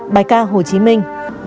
bài ca hồ chí minh